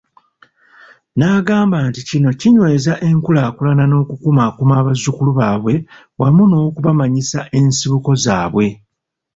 N'agamba nti kino kinyweza enkulaakulana n'okukumaakuma abazzukulu baabwe wamu n'okubamanyisa ensibuko zaabwe.